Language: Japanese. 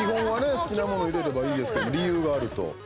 好きなもの入れればいいですけど理由があると。